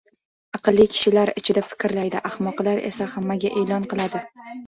Aqlli kishilar ichida fikrlaydi, ahmoqlar esa hammaga e’lon qiladi.